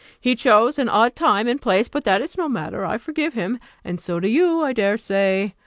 He chose an odd time and place; but that is no matter; I forgive him, and so do you, I dare say.